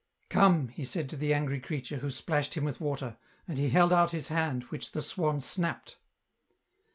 " Come," he said to the angr}'^ creature, who splashed him with water ; and he held out his hand which the swan snapped.